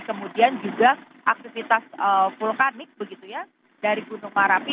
kemudian juga aktivitas vulkanik begitu ya dari gunung merapi